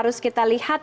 kalau kita lihat